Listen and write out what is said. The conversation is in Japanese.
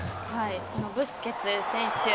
そのブスケツ選手